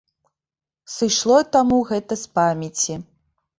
Сышло й таму гэта з памяці.